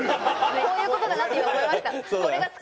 こういう事だなって今思いました。